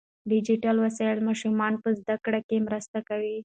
ډیجیټل وسایل ماشومان په زده کړه کې مرسته کوي.